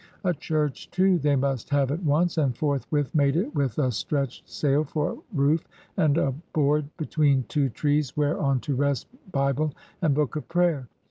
A church, too, they must have at once, and forthwith made it with a stretched sail for roof and a board between two trees where on to rest Bible and Book of Prayer.